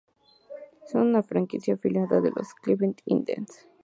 Son una franquicia afiliada de Los Cleveland Indians.